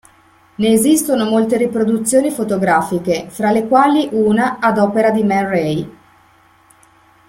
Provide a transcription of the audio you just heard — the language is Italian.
Ne esistono molte riproduzioni fotografiche, fra le quali una ad opera di Man Ray.